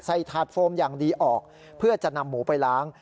ถาดโฟมอย่างดีออกเพื่อจะนำหมูไปล้าง